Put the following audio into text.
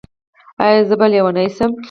ایا زه به لیونۍ شم؟